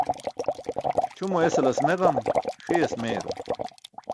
Ćʰumo esalas meġam, ṣiyas meyarum.